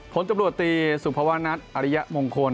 ผลตำรวจตีสุภวนัทอริยมงคล